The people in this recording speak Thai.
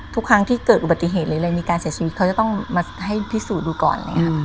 ทุกครั้งที่เกิดอุบัติเหตุอะไรอะไรมีการเสียชีวิตเขาจะต้องมาให้พิสูจน์ดูก่อน